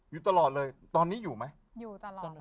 อยู่ตลอดเลยตอนนี้อยู่ไหม